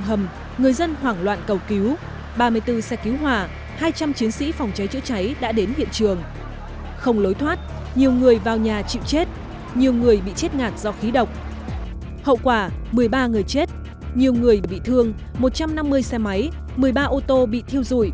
hậu quả một mươi ba người chết nhiều người bị thương một trăm năm mươi xe máy một mươi ba ô tô bị thiêu dụi